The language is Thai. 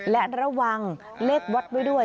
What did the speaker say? และระวังเลขวัดไว้ด้วย